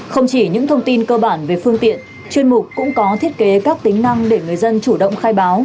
không chỉ những thông tin cơ bản về phương tiện chuyên mục cũng có thiết kế các tính năng để người dân chủ động khai báo